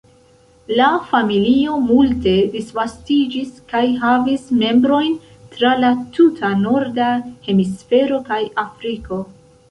La familio multe disvastiĝis kaj havis membrojn tra la tuta norda hemisfero kaj Afriko.